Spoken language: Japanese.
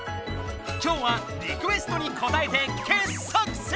今日はリクエストにこたえて傑作選！